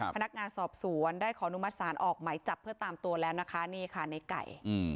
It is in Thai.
พนักงานสอบสวนได้ขออนุมัติศาลออกไหมจับเพื่อตามตัวแล้วนะคะนี่ค่ะในไก่